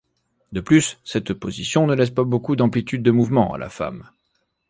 De plus, cette position ne laisse pas beaucoup d'amplitude de mouvements à la femme.